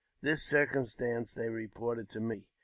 This circumstance they reported to me.